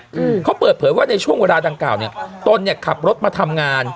อืมเขาเปิดเผยว่าในช่วงเวลาดังกล่าวเนี้ยตนเนี้ยขับรถมาทำงาน